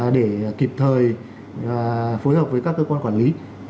để kịp thời phối hợp với các cơ quan quản lý